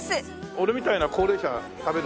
俺みたいな高齢者が食べる？